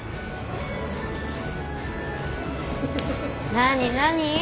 何何？